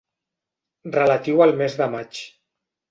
Relatiu al mes de maig.